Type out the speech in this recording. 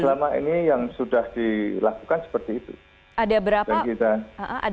selama ini yang sudah dilakukan seperti itu